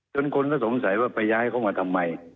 คนก็สงสัยว่าไปย้ายเขามาทำไม